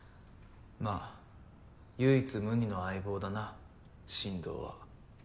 まあ唯一無二の相棒だな進藤は。